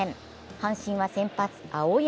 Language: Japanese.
阪神は先発・青柳。